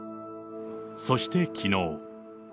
そしてきのう。